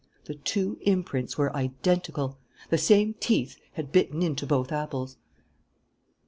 The two imprints were identical! The same teeth had bitten into both apples!